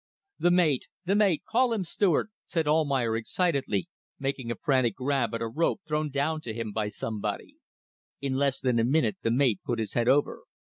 "The mate! the mate! Call him, steward!" said Almayer, excitedly, making a frantic grab at a rope thrown down to him by somebody. In less than a minute the mate put his head over.